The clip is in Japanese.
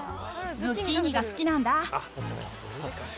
ズッキーニが好きなんだ。